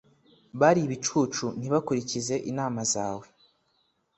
Bari ibicucu ntibakurikize inama zawe.